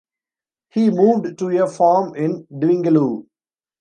He moved to a farm in Dwingeloo.